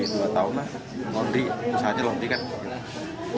setahun lah londi usaha aja londi kan